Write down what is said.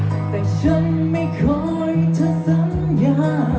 แต่ฉันไม่คอยเธอสัญญา